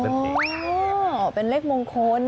อ๋อเป็นเลขมงคล